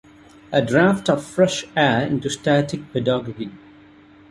A draft of fresh air into static pedagogy.